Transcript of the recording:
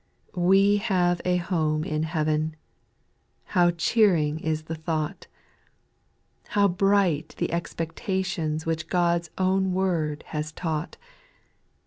4. We have a home in heaven ;— how cheering is the thought I How bright the expectations which God's own word has taught